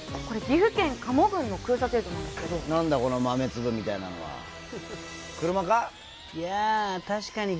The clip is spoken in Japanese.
これ岐阜県加茂郡の空撮映像なんですけど何だこの豆粒みたいなのは車か？